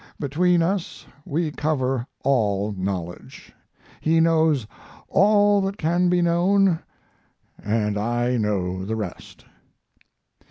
Between us we cover all knowledge; he knows all that can be known, and I know the rest."